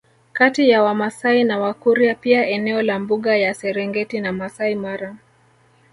Kati ya wamasai na wakurya pia eneo la mbuga ya serengeti na masai mara